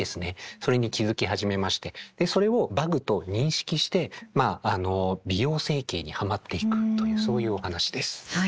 それに気付き始めましてそれをバグと認識して美容整形にハマっていくというそういうお話です。